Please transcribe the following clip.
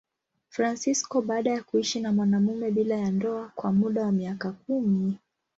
Fransisko baada ya kuishi na mwanamume bila ya ndoa kwa muda wa miaka kumi.